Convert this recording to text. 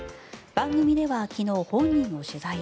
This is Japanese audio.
番組では昨日、本人を取材。